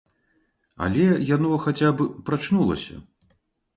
Але яно хаця б прачнулася.